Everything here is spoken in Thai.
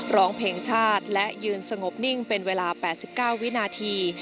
ร้องเพลงชาติและยืนสงบนิ่งเป็นเวลา๘๙วินาที